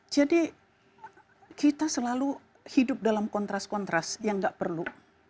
jadi kita selalu hidup dalam kontras kontras yang nggak perlu